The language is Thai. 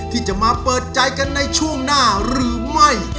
ที่จะมาเปิดใจกันในช่วงหน้าหรือไม่